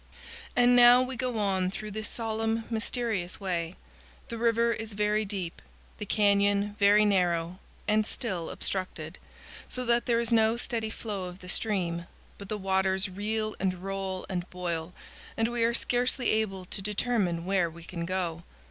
And now we go on through this solemn, mysterious way. The river is very deep, the canyon very narrow, and still obstructed, so that there is no steady flow of the stream; but the waters reel and roll and boil, and we are scarcely able to determine where we can go.